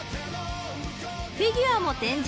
［フィギュアも展示］